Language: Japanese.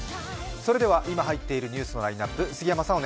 それでは、今入っているニュースのラインナップです。